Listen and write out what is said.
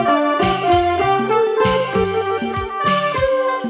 เธอไม่รู้ว่าเธอไม่รู้